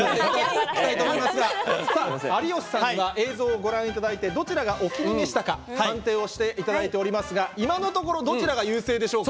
有吉さんは映像をご覧いただいてどちらがお気に召したか判定していただいていますが今のところどちらが優勢でしょうか。